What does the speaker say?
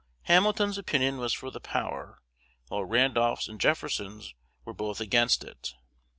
Hamilton's opinion was for the power; while Randolph's and Jefferson's were both against it.